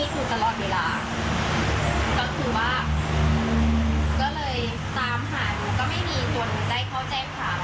ก็กลัวว่าจะเคลื่อนอันตรายกับแม่